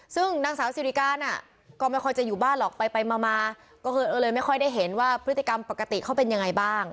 ซึ่งนางสาวสิริการก็ไม่ค่อยจะอยู่บ้านหรอกไปมาก็เลยเออเลยไม่ค่อยได้เห็นว่าพฤติกรรมปกติเขาเป็นยังไงบ้าง